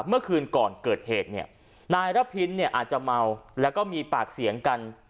เมื่อคืนก่อนเกิดเหตุเนี่ยนายระพินเนี่ยอาจจะเมาแล้วก็มีปากเสียงกัน